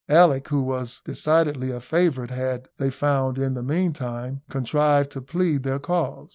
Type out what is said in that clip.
Alick, who was decidedly a favourite, had, they found in the meantime, contrived to plead their cause.